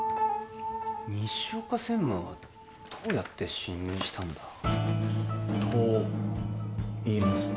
西岡専務はどうやって侵入したんだ？といいますと？